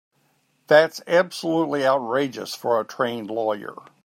That's absolutely outrageous for a trained lawyer.